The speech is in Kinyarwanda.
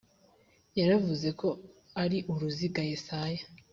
yaravuze ko ari uruziga yesaya